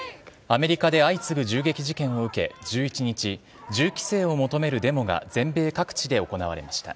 アメリカで相次ぐ銃撃事件を受け１１日、銃規制を求めるデモが全米各地で行われました。